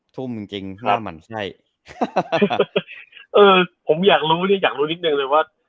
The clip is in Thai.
ทุ่มจริงจริงถ้ามันใช่เออผมอยากรู้เนี่ยอยากรู้นิดนึงเลยว่า